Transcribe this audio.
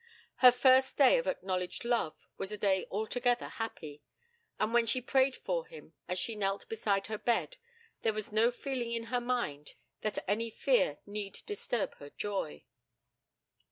Her first day of acknowledged love was a day altogether happy, and when she prayed for him as she knelt beside her bed there was no feeling in her mind that any fear need disturb her joy.